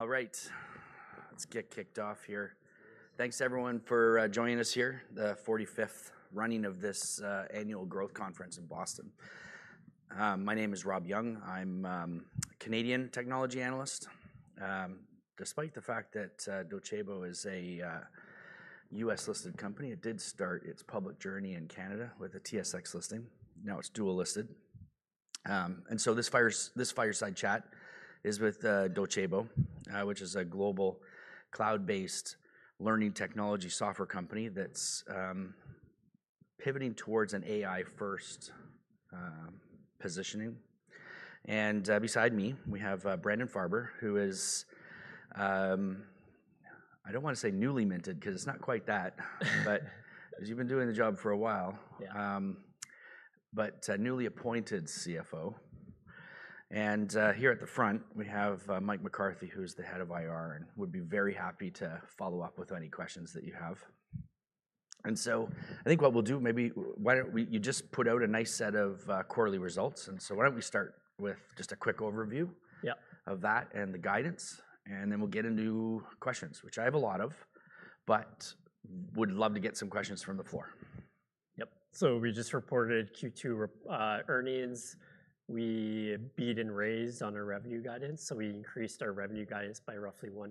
All right, let's get kicked off here. Thanks everyone for joining us here at the 45th running of this Annual Growth Conference in Boston. My name is Rob Young. I'm a Canadian technology analyst. Despite the fact that Docebo is a U.S.-listed company, it did start its public journey in Canada with a TSX listing. Now it's dual-listed. This fireside chat is with Docebo, which is a global cloud-based learning technology software company that's pivoting towards an AI-first positioning. Beside me, we have Brandon Farber, who is, I don't want to say newly minted because it's not quite that, but as you've been doing the job for a while. A newly appointed CFO. Here at the front, we have Mike McCarthy, who is the Head of Investor Relations and would be very happy to follow up with any questions that you have. I think what we'll do, maybe why don't we, you just put out a nice set of quarterly results. Why don't we start with just a quick overview of that and the guidance, and then we'll get into questions, which I have a lot of, but would love to get some questions from the floor. Yep. We just reported Q2 earnings. We beat and raised on our revenue guidance. We increased our revenue guidance by roughly 1%.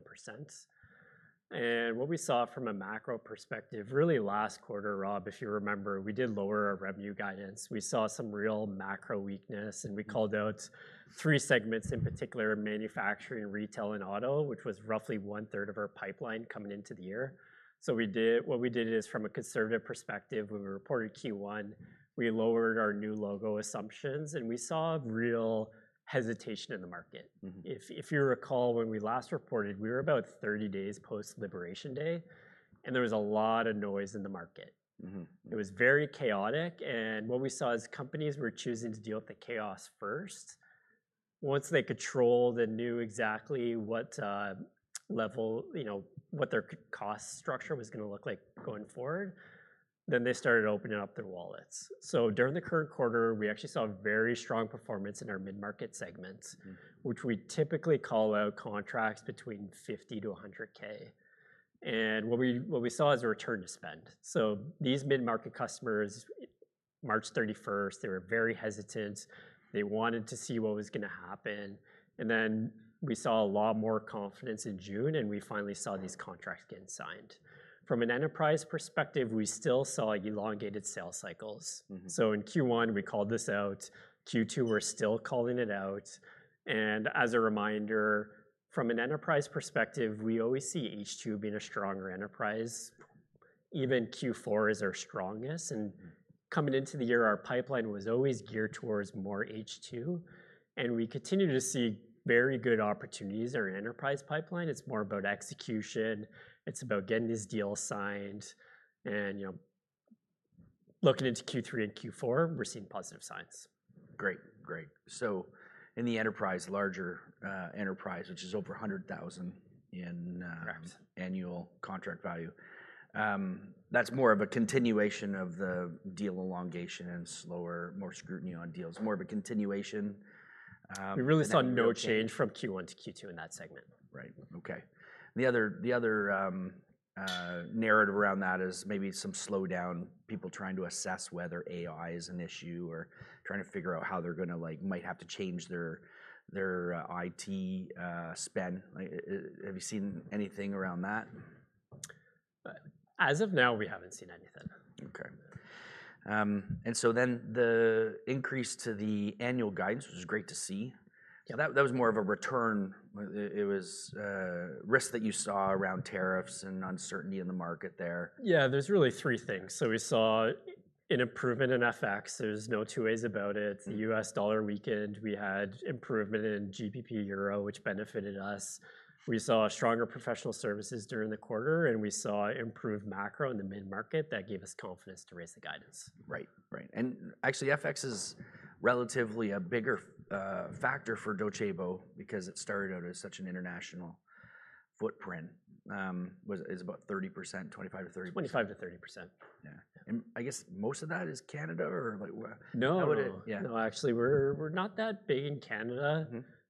What we saw from a macro perspective, last quarter, Rob, if you remember, we did lower our revenue guidance. We saw some real macro weakness, and we called out three segments in particular: manufacturing, retail, and auto, which was roughly 1/3 of our pipeline coming into the year. From a conservative perspective, when we reported Q1, we lowered our new logo assumptions, and we saw real hesitation in the market. If you recall, when we last reported, we were about 30 days post-Liberation Day, and there was a lot of noise in the market. It was very chaotic. We saw companies were choosing to deal with the chaos first. Once they could control, they knew exactly what level, you know, what their cost structure was going to look like going forward. They started opening up their wallets. During the current quarter, we actually saw a very strong performance in our mid-market segments, which we typically call out as contracts between $50,000-$100,000. We saw a return to spend. These mid-market customers, March 31st, they were very hesitant. They wanted to see what was going to happen. We saw a lot more confidence in June, and we finally saw these contracts getting signed. From an enterprise perspective, we still saw elongated sales cycles. In Q1, we called this out. Q2, we're still calling it out. As a reminder, from an enterprise perspective, we always see H2 being a stronger enterprise. Even Q4 is our strongest. Coming into the year, our pipeline was always geared towards more H2. We continue to see very good opportunities in our enterprise pipeline. It's more about execution. It's about getting these deals signed. Looking into Q3 and Q4, we're seeing positive signs. Great, great. In the enterprise, larger enterprise, which is over $100,000 in annual contract value, that's more of a continuation of the deal elongation and slower, more scrutiny on deals, more of a continuation. We really saw no change from Q1 to Q2 in that segment. Right. Okay. The other narrative around that is maybe some slowdown, people trying to assess whether AI is an issue or trying to figure out how they're going to, like, might have to change their IT spend. Have you seen anything around that? As of now, we haven't seen anything. Okay. The increase to the annual guidance, which is great to see, was more of a return. It was a risk that you saw around tariffs and uncertainty in the market there. Yeah, there's really three things. We saw an improvement in FX. There's no two ways about it. The U.S. dollar weakened. We had improvement in GBP, Euro, which benefited us. We saw stronger professional services during the quarter, and we saw improved macro in the mid-market that gave us confidence to raise the guidance. Right, right. FX is relatively a bigger factor for Docebo because it started out as such an international footprint. It was about 25%-30%. 25%-30%. Yeah, I guess most of that is Canada or like what? No, actually, we're not that big in Canada.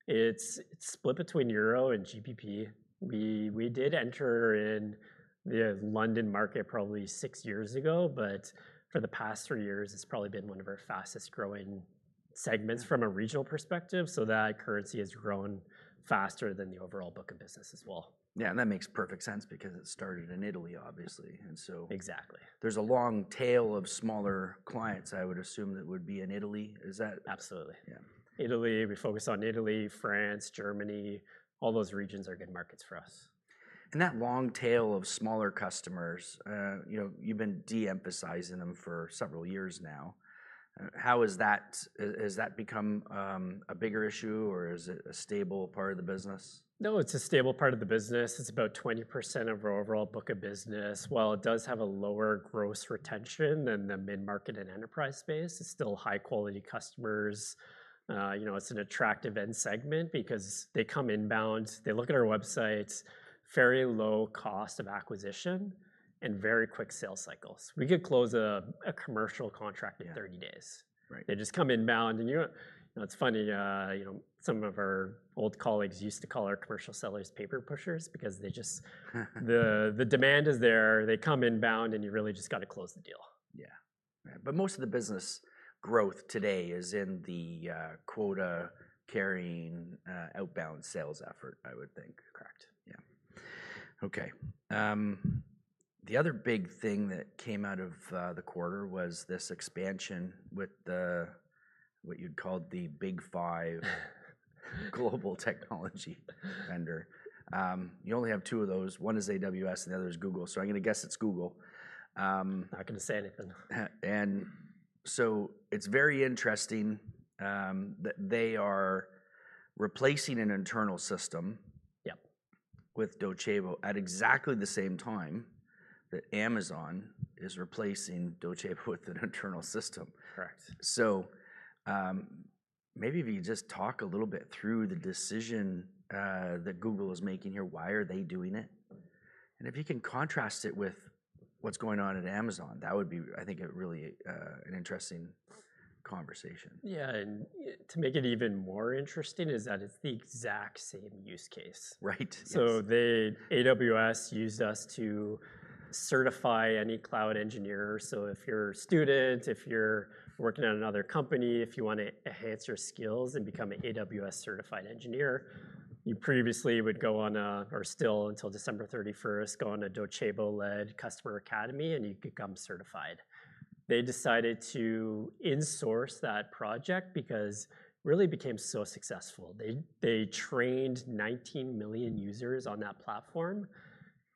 It's split between Euro and GBP. We did enter in the London market probably six years ago, but for the past three years, it's probably been one of our fastest growing segments from a regional perspective. That currency has grown faster than the overall book of business as well. Yeah, that makes perfect sense because it started in Italy, obviously. Exactly. There's a long tail of smaller clients, I would assume, that would be in Italy. Is that? Absolutely. Yeah. Italy, we focus on Italy, France, Germany. All those regions are good markets for us. That long tail of smaller customers, you know, you've been de-emphasizing them for several years now. Has that become a bigger issue or is it a stable part of the business? No, it's a stable part of the business. It's about 20% of our overall book of business. While it does have a lower gross retention than the mid-market and enterprise space, it's still high-quality customers. It's an attractive end segment because they come inbound. They look at our websites, very low cost of acquisition, and very quick sales cycles. We could close a commercial contract in 30 days. They just come inbound. It's funny, some of our old colleagues used to call our commercial sellers paper pushers because the demand is there. They come inbound and you really just got to close the deal. Yeah, most of the business growth today is in the quota-carrying outbound sales effort, I would think. Correct. Yeah. Okay. The other big thing that came out of the quarter was this expansion with what you'd call the big five global technology vendor. You only have two of those. One is AWS and the other is Google. I'm going to guess it's Google. I'm not going to say anything. It is very interesting that they are replacing an internal system. Yep. With Docebo at exactly the same time that Amazon is replacing Docebo with an internal system. Correct. Maybe if you could just talk a little bit through the decision that Google is making here, why are they doing it? If you can contrast it with what's going on at Amazon, that would be, I think, really an interesting conversation. Yeah, to make it even more interesting, it's the exact same use case. Right. AWS used us to certify any cloud engineer. If you're a student, if you're working at another company, if you want to enhance your skills and become an AWS certified engineer, you previously would go on, or still until December 31st, go on a Docebo-led customer academy and you could become certified. They decided to insource that project because it really became so successful. They trained 19 million users on that platform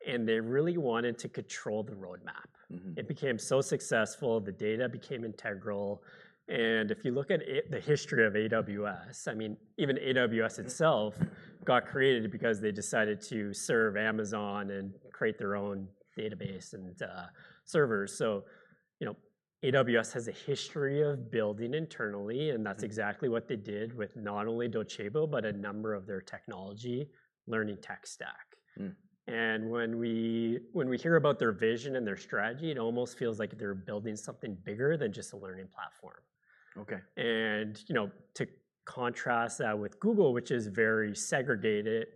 and they really wanted to control the roadmap. It became so successful, the data became integral. If you look at the history of AWS, even AWS itself got created because they decided to serve Amazon and create their own database and servers. AWS has a history of building internally, and that's exactly what they did with not only Docebo, but a number of their technology learning tech stack. When we hear about their vision and their strategy, it almost feels like they're building something bigger than just a learning platform. Okay. To contrast that with Google, which is a very segregated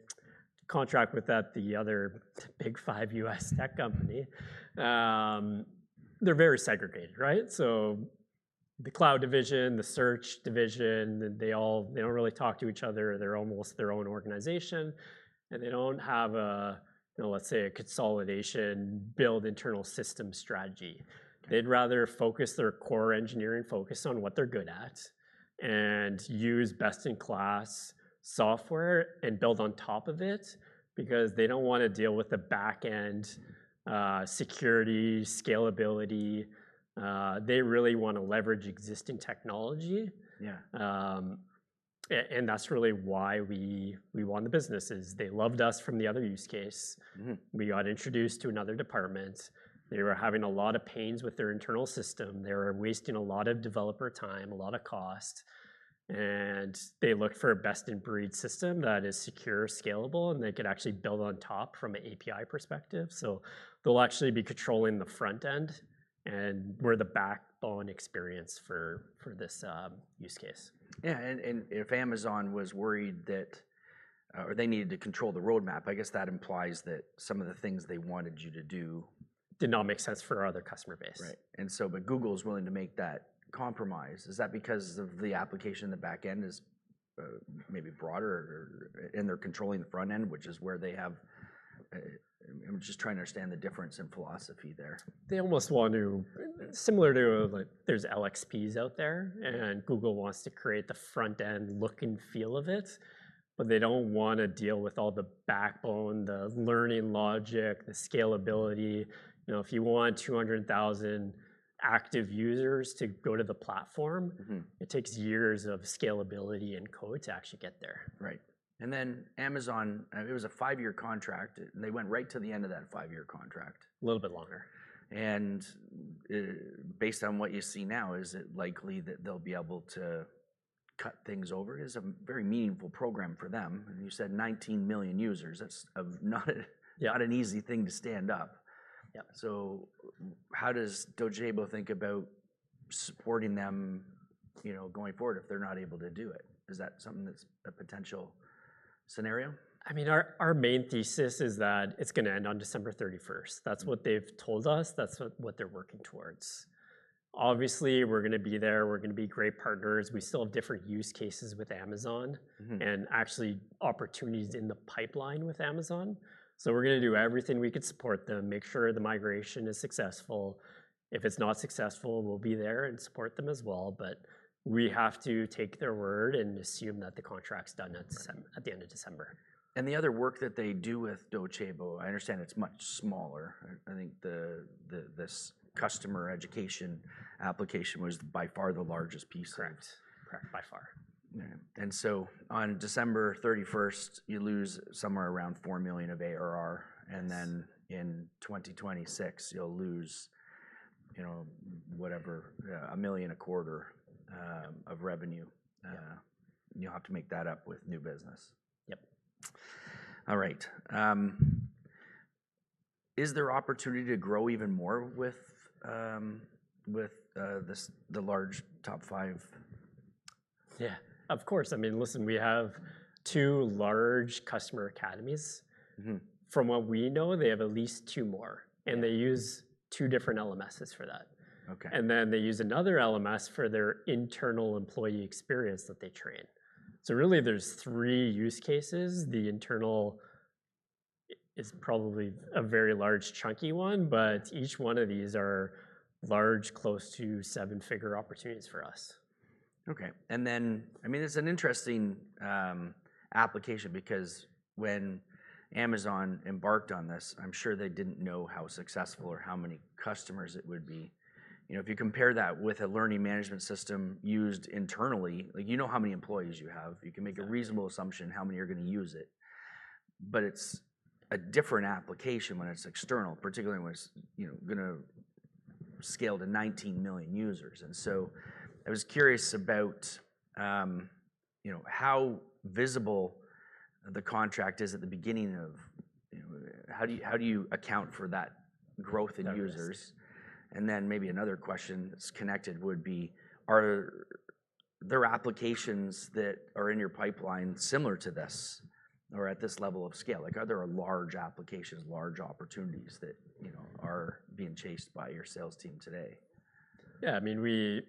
contract with that, the other big five U.S. tech company, they're very segregated, right? The cloud division, the search division, they all, they don't really talk to each other. They're almost their own organization. They don't have a, let's say, a consolidation build internal system strategy. They'd rather focus their core engineering focus on what they're good at and use best-in-class software and build on top of it because they don't want to deal with the backend security, scalability. They really want to leverage existing technology. Yeah. That is really why we won the business. They loved us from the other use case. We got introduced to another department. They were having a lot of pains with their internal system. They were wasting a lot of developer time, a lot of cost. They looked for a best-in-breed system that is secure, scalable, and they could actually build on top from an API perspective. They will actually be controlling the front end, and we are the backbone experience for this use case. Yeah, if Amazon was worried that, or they needed to control the roadmap, I guess that implies that some of the things they wanted you to do. Did not make sense for our other customer base. Right. Google is willing to make that compromise. Is that because the application in the backend is maybe broader and they're controlling the front end, which is where they have, I'm just trying to understand the difference in philosophy there. They almost want to, similar to like there's LXPs out there, and Google wants to create the front end look and feel of it. They don't want to deal with all the backbone, the learning logic, the scalability. If you want 200,000 active users to go to the platform, it takes years of scalability and code to actually get there. Right. Amazon, it was a five-year contract, and they went right to the end of that five-year contract. A little bit longer. Based on what you see now, is it likely that they'll be able to cut things over? It is a very meaningful program for them. You said 19 million users, that's not an easy thing to stand up. Yeah. How does Docebo think about supporting them, you know, going forward if they're not able to do it? Is that something that's a potential scenario? I mean, our main thesis is that it's going to end on December 31st. That's what they've told us. That's what they're working towards. Obviously, we're going to be there. We're going to be great partners. We still have different use cases with Amazon and actually opportunities in the pipeline with Amazon. We're going to do everything we could to support them, make sure the migration is successful. If it's not successful, we'll be there and support them as well. We have to take their word and assume that the contract's done at the end of December. The other work that they do with Docebo, I understand it's much smaller. I think this customer education application was by far the largest piece of it. Correct. Correct. By far. On December 31st, you lose somewhere around $4 million of ARR. In 2026, you'll lose, you know, whatever, $1 million a quarter of revenue. Yeah. You'll have to make that up with new business. Yep. All right. Is there opportunity to grow even more with the large top five? Yeah, of course. I mean, listen, we have two large customer academies. From what we know, they have at least two more, and they use two different LMSs for that. Okay. They use another LMS for their internal employee experience that they train. There are three use cases. The internal is probably a very large chunky one, but each one of these are large, close to $1 million opportunities for us. Okay. It's an interesting application because when Amazon embarked on this, I'm sure they didn't know how successful or how many customers it would be. If you compare that with a learning management system used internally, like you know how many employees you have, you can make a reasonable assumption how many are going to use it. It's a different application when it's external, particularly when it's going to scale to 19 million users. I was curious about how visible the contract is at the beginning, how do you account for that growth in users? Maybe another question that's connected would be, are there applications that are in your pipeline similar to this or at this level of scale? Are there large applications, large opportunities that are being chased by your sales team today? Yeah, I mean, we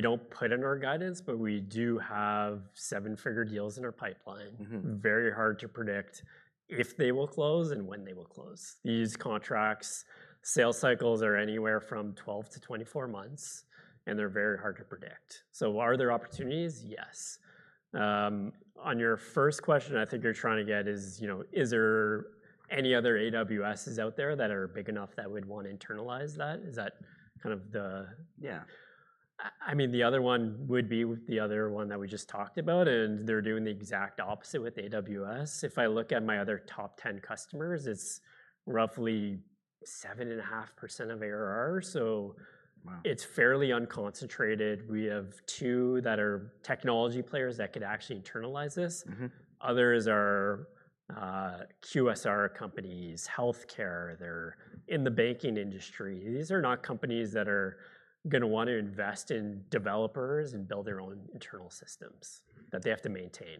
don't put in our guidance, but we do have seven-figure deals in our pipeline. Very hard to predict if they will close and when they will close. These contracts, sales cycles are anywhere from 12-24 months, and they're very hard to predict. Are there opportunities? Yes. On your first question, I think you're trying to get is, you know, is there any other AWSs out there that are big enough that we'd want to internalize that? Is that kind of the, yeah. I mean, the other one would be the other one that we just talked about, and they're doing the exact opposite with AWS. If I look at my other top 10 customers, it's roughly 7.5% of ARR. It's fairly unconcentrated. We have two that are technology players that could actually internalize this. Others are QSR companies, healthcare, they're in the banking industry. These are not companies that are going to want to invest in developers and build their own internal systems that they have to maintain.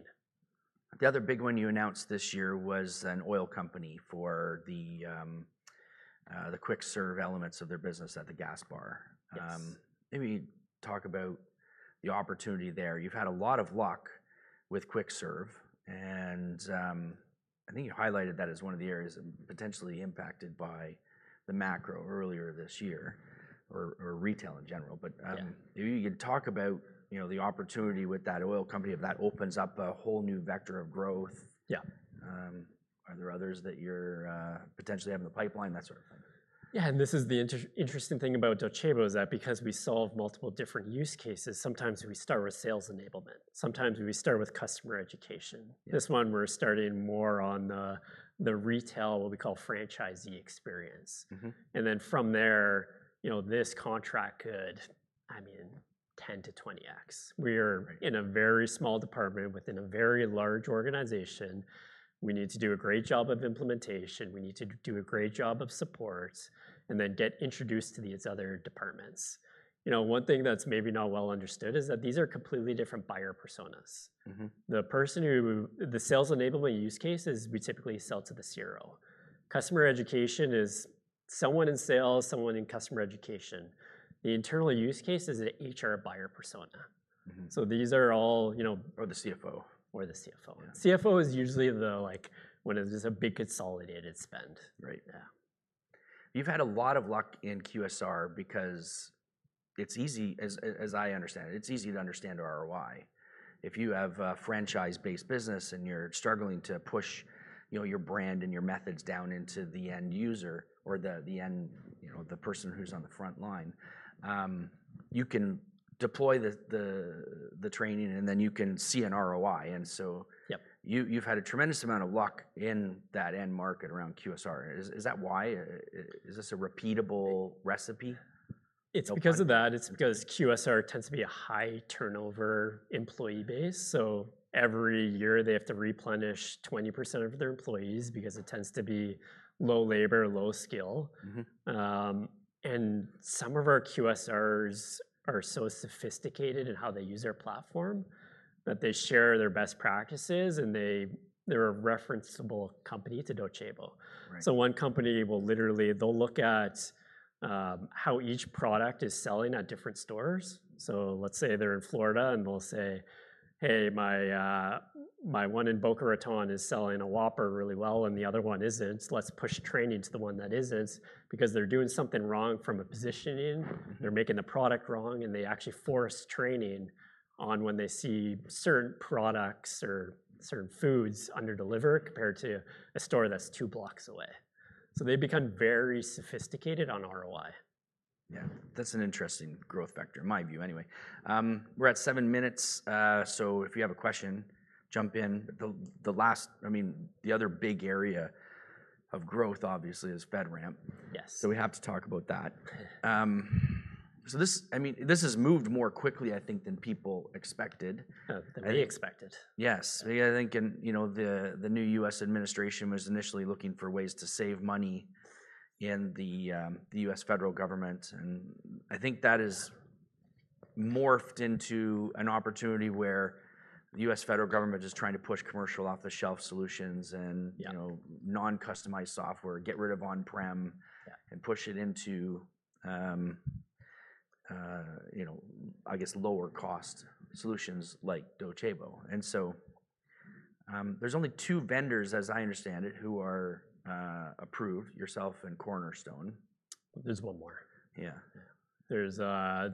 The other big one you announced this year was an oil company for the QuickServe elements of their business at the gas bar. Maybe talk about the opportunity there. You've had a lot of luck with QuickServe, and I think you highlighted that as one of the areas that are potentially impacted by the macro earlier this year, or retail in general. Maybe you can talk about, you know, the opportunity with that oil company. That opens up a whole new vector of growth. Yeah. Are there others that you're potentially having in the pipeline, that sort of thing? Yeah, and this is the interesting thing about Docebo is that because we solve multiple different use cases, sometimes we start with sales enablement. Sometimes we start with customer education. This one, we're starting more on the retail, what we call franchisee experience. From there, you know, this contract could, I mean, 10x-20x. We are in a very small department within a very large organization. We need to do a great job of implementation. We need to do a great job of support and then get introduced to these other departments. One thing that's maybe not well understood is that these are completely different buyer personas. The person who, the sales enablement use cases, we typically sell to the CRO. Customer education is someone in sales, someone in customer education. The internal use case is an HR buyer persona. These are all, you know, or the CFO. Or the Chief Financial Officer. CFO is usually the, like, when it's just a big consolidated spend. Right. Yeah. You've had a lot of luck in QSR because it's easy, as I understand it, it's easy to understand ROI. If you have a franchise-based business and you're struggling to push your brand and your methods down into the end user or the end, you know, the person who's on the front line, you can deploy the training and then you can see an ROI. You've had a tremendous amount of luck in that end market around QSR. Is that why? Is this a repeatable recipe? It's because of that. It's because QSR tends to be a high turnover employee base. Every year they have to replenish 20% of their employees because it tends to be low labor, low skill. Some of our QSRs are so sophisticated in how they use their platform that they share their best practices and they're a referenceable company to Docebo. One company will literally look at how each product is selling at different stores. Let's say they're in Florida and they'll say, "Hey, my one in Boca Raton is selling a Whopper really well and the other one isn't. Let's push training to the one that isn't because they're doing something wrong from a positioning. They're making the product wrong and they actually force training on when they see certain products or certain foods under delivered compared to a store that's two blocks away." They become very sophisticated on ROI. Yeah, that's an interesting growth factor, in my view anyway. We're at seven minutes. If you have a question, jump in. The other big area of growth obviously is FedRAMP. Yes. We have to talk about that. This has moved more quickly, I think, than people expected. Than they expected. Yes. I think the new U.S. administration was initially looking for ways to save money in the U.S. federal government. I think that has morphed into an opportunity where the U.S. federal government is trying to push commercial off-the-shelf solutions and non-customized software, get rid of on-prem and push it into, I guess, lower cost solutions like Docebo. There are only two vendors, as I understand it, who are approved, yourself and Cornerstone. There's one more. Yeah. There's a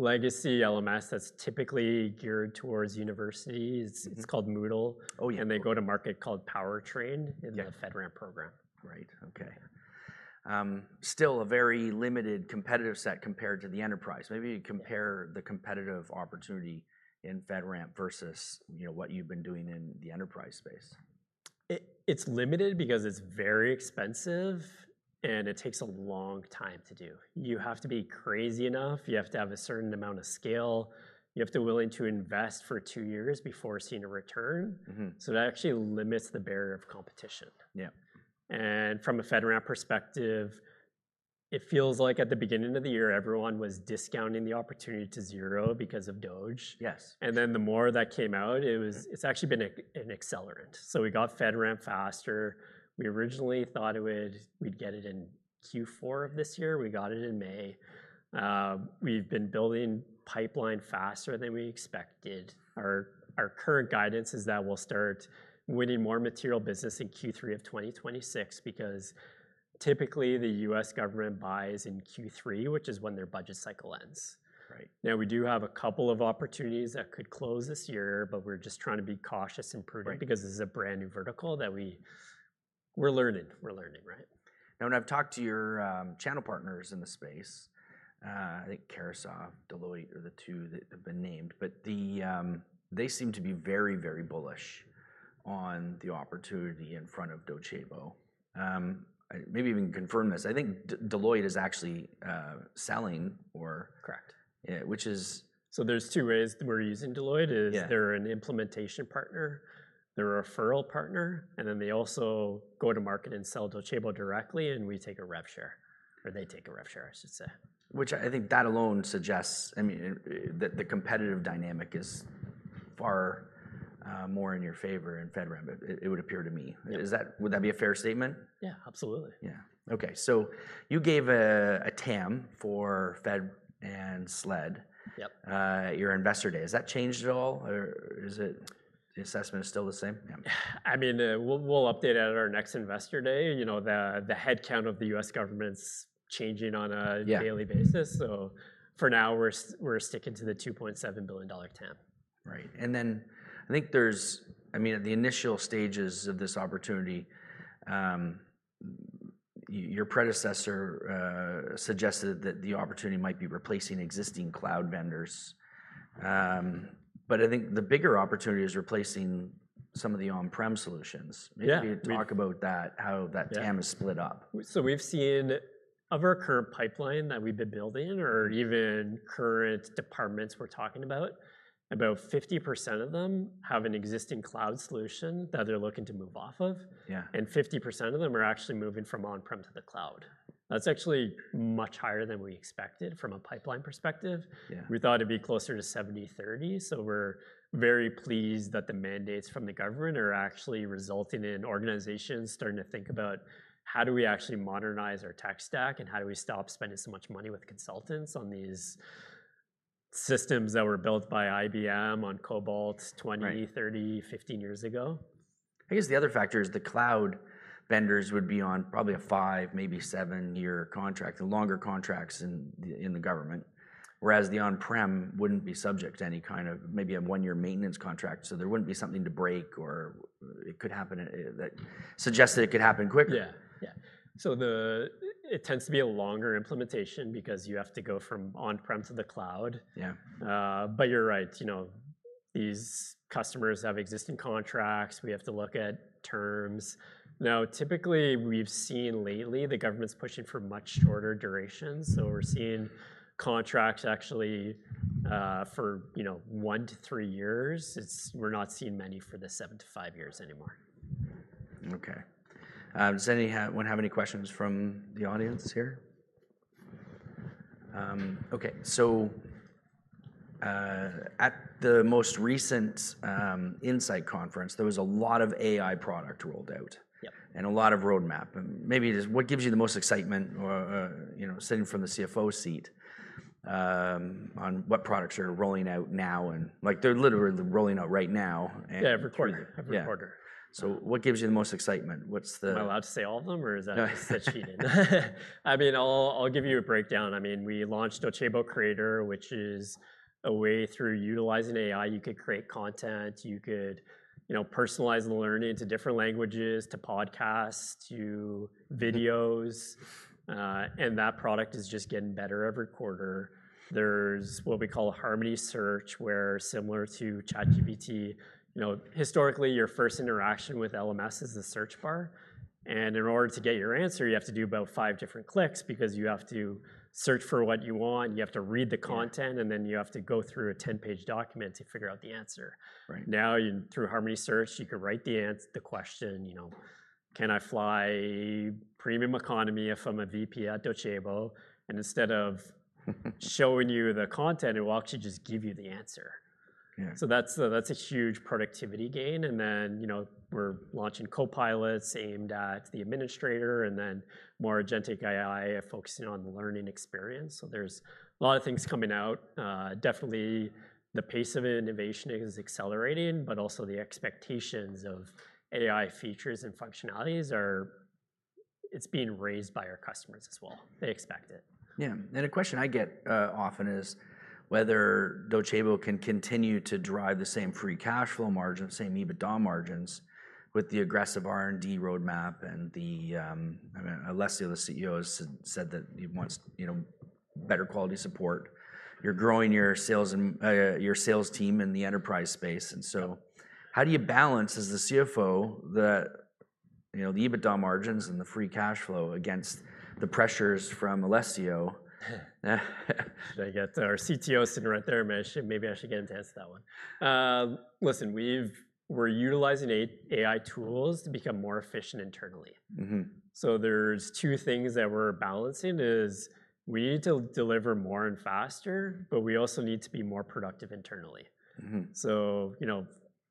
legacy LMS that's typically geared towards universities. It's called Moodle. Oh yeah. They go to market called Powertrain in the FedRAMP program. Right. Okay. Still a very limited competitive set compared to the enterprise. Maybe you compare the competitive opportunity in FedRAMP versus, you know, what you've been doing in the enterprise space. It's limited because it's very expensive, and it takes a long time to do. You have to be crazy enough, you have to have a certain amount of scale, and you have to be willing to invest for two years before seeing a return. That actually limits the barrier of competition. Yeah. From a FedRAMP perspective, it feels like at the beginning of the year, everyone was discounting the opportunity to zero because of Docebo. Yes. The more that came out, it's actually been an accelerant. We got FedRAMP faster. We originally thought we'd get it in Q4 of this year. We got it in May. We've been building pipeline faster than we expected. Our current guidance is that we'll start winning more material business in Q3 of 2026 because typically the U.S. government buys in Q3, which is when their budget cycle ends. Right. Now we do have a couple of opportunities that could close this year. We're just trying to be cautious and prudent because this is a brand new vertical that we're learning. We're learning, right? When I've talked to your channel partners in the space, I think Carousel and Deloitte are the two that have been named. They seem to be very, very bullish on the opportunity in front of Docebo. Maybe you can confirm this. I think Deloitte is actually selling or. Correct. Which is. There are two ways we're using Deloitte. Yeah. They're an implementation partner, a referral partner, and they also go to market and sell Docebo directly. We take a rev share, or they take a rev share, I should say. Which I think that alone suggests, I mean, that the competitive dynamic is far more in your favor in FedRAMP, it would appear to me. Would that be a fair statement? Yeah, absolutely. Yeah. Okay, you gave a TAM for Fed and SLED. Yep. Your investor day, has that changed at all? Is the assessment still the same? Yeah. I mean, we'll update it at our next investor day. You know, the headcount of the U.S. government's changing on a daily basis. For now, we're sticking to the $2.7 billion TAM. Right. I think there's, I mean, at the initial stages of this opportunity, your predecessor suggested that the opportunity might be replacing existing cloud vendors. I think the bigger opportunity is replacing some of the on-prem solutions. Yeah. Maybe you could talk about that, how that TAM is split up. We've seen of our current pipeline that we've been building, or even current departments we're talking about, about 50% of them have an existing cloud solution that they're looking to move off of. Yeah. Fifty percent of them are actually moving from on-prem to the cloud. That's actually much higher than we expected from a pipeline perspective. Yeah. We thought it'd be closer to 70/30. We're very pleased that the mandates from the government are actually resulting in organizations starting to think about how do we actually modernize our tech stack and how do we stop spending so much money with consultants on these systems that were built by IBM on COBOL 20, 30, 15 years ago. I guess the other factor is the cloud vendors would be on probably a five, maybe seven-year contract, the longer contracts in the government. Whereas the on-prem wouldn't be subject to any kind of maybe a one-year maintenance contract. There wouldn't be something to break or it could happen that suggests that it could happen quickly. Yeah. Yeah. It tends to be a longer implementation because you have to go from on-prem to the cloud. Yeah. You're right. You know, these customers have existing contracts. We have to look at terms. Typically, we've seen lately the government's pushing for much shorter durations. We're seeing contracts actually for, you know, one to three years. We're not seeing many for the seven to five years anymore. Okay. Does anyone have any questions from the audience here? Okay. At the most recent Insight Conference, there was a lot of AI product rolled out. Yep. A lot of roadmap. Maybe just what gives you the most excitement or, you know, sitting from the CFO seat on what products you're rolling out now, like they're literally rolling out right now. Yeah, I’ve recorded it. What gives you the most excitement? What's the. Am I allowed to say all of them or is that too much? I'll give you a breakdown. We launched Docebo Creator, which is a way through utilizing AI, you could create content, you could personalize learning to different languages, to podcasts, to videos. That product is just getting better every quarter. There's what we call Harmony Search, where similar to ChatGPT, historically your first interaction with LMS is the search bar. In order to get your answer, you have to do about five different clicks because you have to search for what you want, you have to read the content, and then you have to go through a 10-page document to figure out the answer. Right. Now through Harmony Search, you could write the answer, the question, you know, can I fly premium economy if I'm a VP at Docebo? Instead of showing you the content, it will actually just give you the answer. Yeah. That's a huge productivity gain. We're launching copilots aimed at the administrator and then more agentic AI focusing on the learning experience. There's a lot of things coming out. Definitely, the pace of innovation is accelerating, but also the expectations of AI features and functionalities are being raised by our customers as well. They expect it. Yeah. A question I get often is whether Docebo can continue to drive the same free cash flow margin, same EBITDA margins with the aggressive R&D roadmap. I mean, Alessio, the CEO, said that he wants, you know, better quality support. You're growing your sales team in the enterprise space. How do you balance as the CFO the, you know, the EBITDA margins and the free cash flow against the pressures from Alessio? Should I get our CTO sitting right there? Maybe I should get a chance at that one. Listen, we're utilizing AI tools to become more efficient internally. There are two things that we're balancing. We need to deliver more and faster, but we also need to be more productive internally.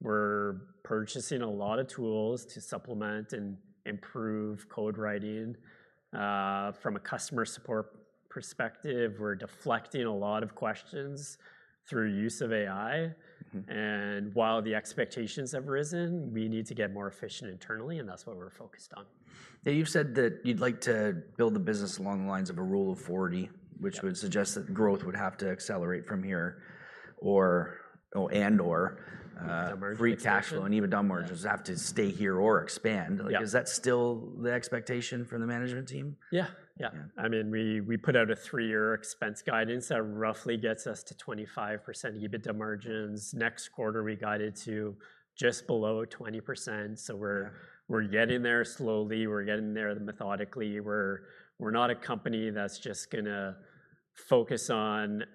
We're purchasing a lot of tools to supplement and improve code writing. From a customer support perspective, we're deflecting a lot of questions through use of AI. While the expectations have risen, we need to get more efficient internally, and that's what we're focused on. Now you've said that you'd like to build a business along the lines of a rule of 40, which would suggest that growth would have to accelerate from here, and/or free cash flow and EBITDA margins have to stay here or expand. Is that still the expectation from the management team? Yeah, yeah. I mean, we put out a three-year expense guidance that roughly gets us to 25% EBITDA margins. Next quarter, we guided to just below 20%. We're getting there slowly and methodically. We're not a company that's just going to focus on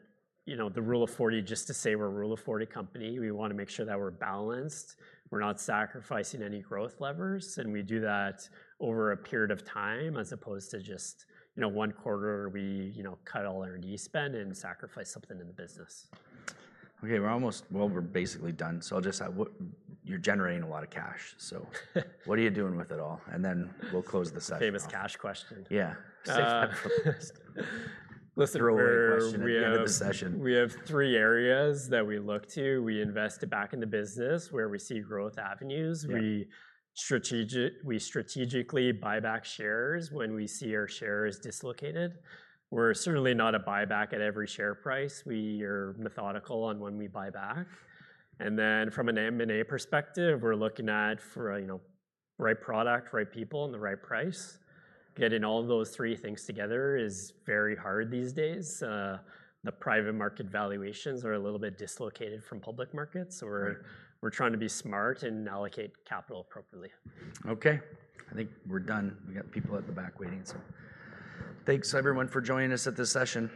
the rule of 40 just to say we're a rule of 40 company. We want to make sure that we're balanced. We're not sacrificing any growth levers, and we do that over a period of time as opposed to just one quarter where we cut all our spend and sacrifice something in the business. Okay, we're almost, we're basically done. I'll just say you're generating a lot of cash. What are you doing with it all? Then we'll close the session. Famous cash question. Yeah. Drawer question. We have a session. We have three areas that we look to. We invest it back in the business where we see growth avenues. We strategically buy back shares when we see our shares dislocated. We're certainly not a buyback at every share price. We are methodical on when we buy back. From an M&A perspective, we're looking at for, you know, right product, right people, and the right price. Getting all those three things together is very hard these days. The private market valuations are a little bit dislocated from public markets. We are trying to be smart and allocate capital appropriately. Okay. I think we're done. We got people at the back waiting. Thanks everyone for joining us at this session.